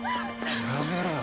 やめろよ。